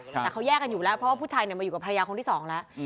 แต่เขาแยกกันอยู่แล้วเพราะว่าผู้ชายมาอยู่กับภรรยาคนที่สองแล้ว